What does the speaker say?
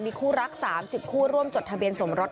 มีคู่รัก๓๐คู่ร่วมจดทะเบียนสมรส